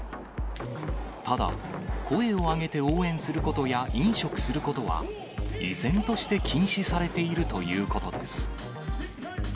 ただ、声を上げて応援することや飲食することは依然として禁止されているということです。